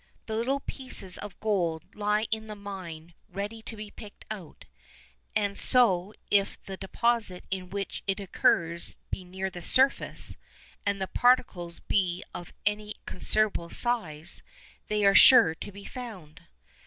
The little pieces of gold lie in the mine ready to be picked out, and so if the deposit in which it occurs be near the surface, and the particles be of any considerable size, they are sure to be found.